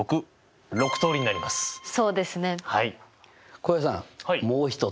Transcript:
浩平さんもう一つ！